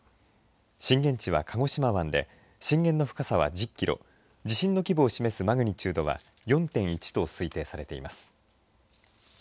震源地は鹿児島湾で震源の深さは１０キロ地震の規模を示すマグニチュードは４．１と推定されています。